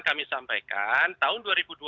kami sampaikan tahun dua ribu dua puluh